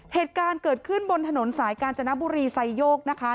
เหตุการณ์เกิดขึ้นบนถนนสายกาญจนบุรีไซโยกนะคะ